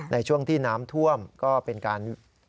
ในช่วงที่น้ำท่วมก็เป็นการ